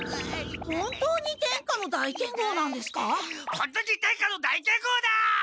本当に天下の大剣豪だ！